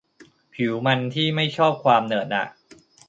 ผิวมันที่ไม่ชอบความเหนอะหนะ